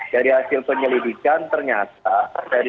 dari hasil penyelidikan ternyata